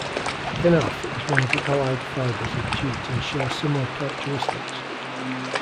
Kenaf is one of the allied fibres of jute and shows similar characteristics.